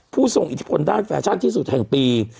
ทรงอิทธิพลด้านแฟชั่นที่สุดแห่งปี